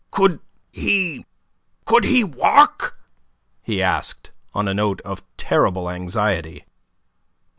"Could he... could he walk?" he asked, on a note of terrible anxiety.